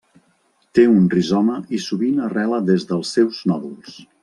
Té un rizoma i sovint arrela des dels seus nòduls.